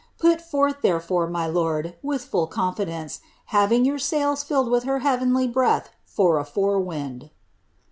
Put forth, therefore, my lord, with full contidence, having youi sails filled whh her heavenly breath for a forewind."'